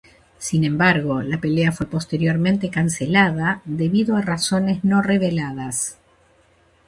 Sin embargo, la pelea fue posteriormente cancelada debido a razones no reveladas.